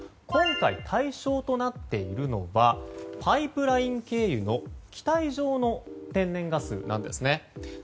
今回、対象となっているのはパイプライン経由の気体状の天然ガスなんですね。